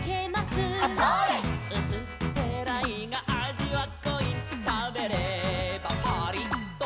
「うすっペラいがあじはこい」「たべればパリっと」